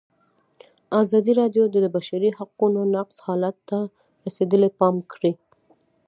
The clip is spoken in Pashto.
ازادي راډیو د د بشري حقونو نقض حالت ته رسېدلي پام کړی.